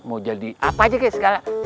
mau jadi apa aja kaya segala